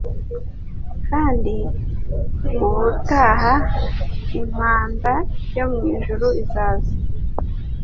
Kandi ubutaha impanda yo mwijuru izaza.